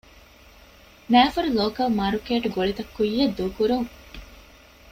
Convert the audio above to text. ނައިފަރު ލޯކަލް މާރުކޭޓް ގޮޅިތައް ކުއްޔަށް ދޫކުރުން